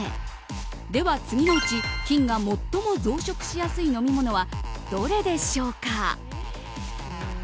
では、次の３つのうち菌が最も増殖しやすい飲み物はどれでしょうか？